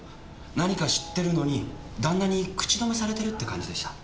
何か知ってるのに旦那に口止めされてるって感じでした。